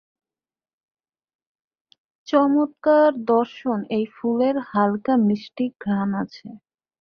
চমৎকার দর্শন এই ফুলে হালকা মিষ্টি ঘ্রাণ আছে।